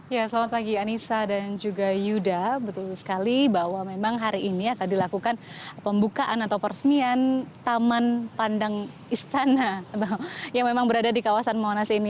ya selamat pagi anissa dan juga yuda betul sekali bahwa memang hari ini akan dilakukan pembukaan atau peresmian taman pandang istana yang memang berada di kawasan monas ini